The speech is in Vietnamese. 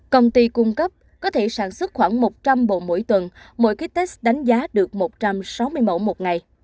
công ty cung cấp có thể sản xuất khoảng một trăm linh bộ mỗi tuần mỗi cái test đánh giá được một trăm sáu mươi mẫu một ngày